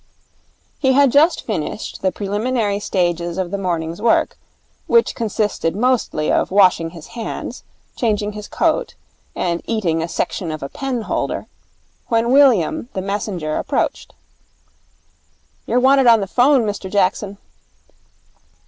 He had just finished the preliminary stages of the morning's work, which consisted mostly of washing his hands, changing his coat, and eating a section of a pen holder, when William, the messenger, approached. 'You're wanted on the 'phone, Mr Jackson.'